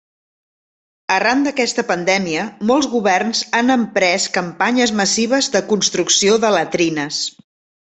Arran d'aquesta pandèmia molts governs han emprès campanyes massives de construcció de latrines.